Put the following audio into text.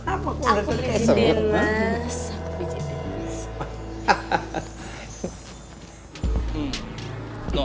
aku ke jendela sakit bijak dari besok